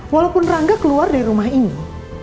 walaupun rangga keluar dari rumah ini